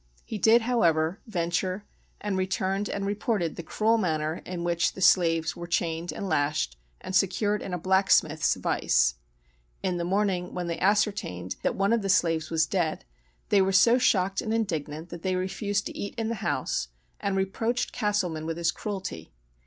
He did, however, venture, and returned and reported the cruel manner in which the slaves were chained, and lashed, and secured in a blacksmith's vice. In the morning, when they ascertained that one of the slaves was dead, they were so shocked and indignant that they refused to eat in the house, and reproached Castleman with his cruelty.